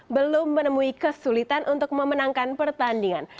belum menemui kesulitan untuk memenangkan pertandingan